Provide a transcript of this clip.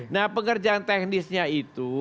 nah pekerjaan teknisnya itu